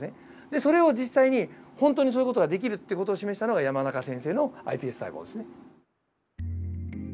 それを実際に本当にそういう事ができるっていう事を示したのが山中先生のｉＰＳ細胞ですね。